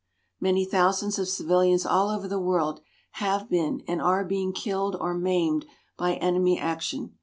Many thousands of civilians all over the world have been and are being killed or maimed by enemy action.